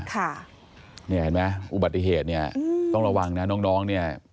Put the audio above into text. ค่ะเนี่ยเห็นไหมอุบัติเหตุเนี่ยต้องระวังนะน้องน้องเนี่ย